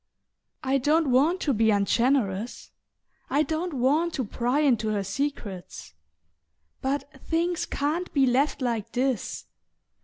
"I don't want to be ungenerous; I don't want to pry into her secrets. But things can't be left like this.